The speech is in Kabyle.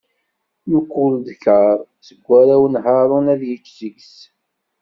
Mkul ddkeṛ seg warraw n Haṛun ad yečč seg-s.